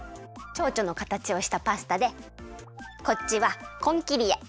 ちょうちょのかたちをしたパスタでこっちはコンキリエ。